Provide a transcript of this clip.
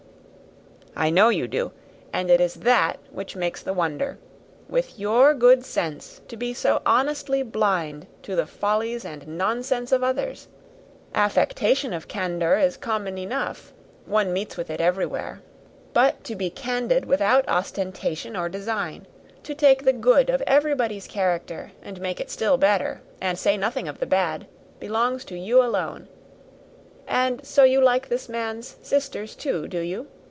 "I know you do: and it is that which makes the wonder. With your good sense, to be so honestly blind to the follies and nonsense of others! Affectation of candour is common enough; one meets with it everywhere. But to be candid without ostentation or design, to take the good of everybody's character and make it still better, and say nothing of the bad, belongs to you alone. And so, you like this man's sisters, too, do you?